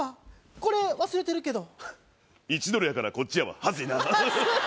これ忘れてるけど１ドルやからこっちやわはずいなはずい